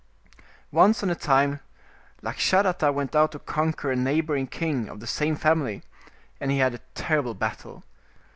Once on a time, Lakshadatta went out to conquer a neighboring king of the same family, and he had a terrible battle.